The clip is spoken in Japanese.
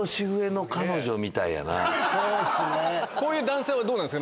こういう男性はどうなんですか？